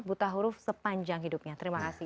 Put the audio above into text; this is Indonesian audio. buta huruf sepanjang hidupnya terima kasih